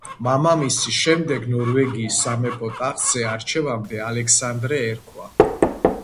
მამამისის შემდეგ ნორვეგიის სამეფო ტახტზე არჩევამდე ალექსანდრე ერქვა.